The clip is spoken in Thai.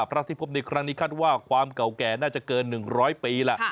พระที่พบในครั้งนี้คาดว่าความเก่าแก่น่าจะเกิน๑๐๐ปีล่ะ